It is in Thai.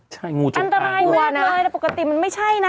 ใช่งูจงอางตัวนะอันตรายมากเลยแต่ปกติมันไม่ใช่นะ